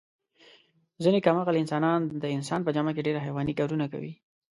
ځنې کم عقل انسانان د انسان په جامه کې ډېر حیواني کارونه کوي.